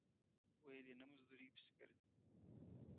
ویل یې نه مزدورۍ پسې ځم.